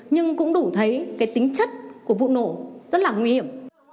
nhưng cũng đủ thấy cái tính chất của vụ nổ rất là nguy hiểm